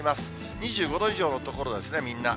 ２５度以上の所ですね、みんな。